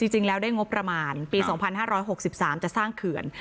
จริงแล้วได้งบประมาณปี๒๕๖๓จะสร้างเขื่อน